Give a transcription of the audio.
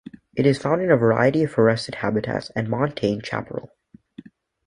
It is found in a variety of forested habitats and montane chaparral.